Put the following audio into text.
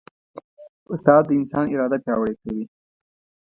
استاد د انسان اراده پیاوړې کوي.